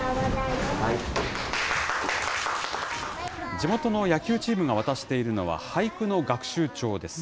地元の野球チームが渡しているのは、俳句の学習帳です。